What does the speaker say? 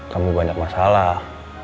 kamu banyak masalah